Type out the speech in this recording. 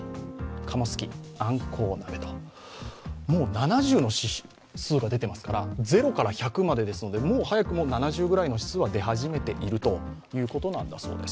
７０の指数が出ていますから、０から１００までですからもう早くも７０ぐらいの指数は出始めているということなんだそうです。